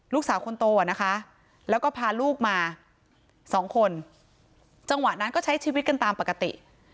ลูกสาวคนโตอ่ะนะคะแล้วก็พาลูกมาสองคนจังหวะนั้นก็ใช้ชีวิตกันตามปกติ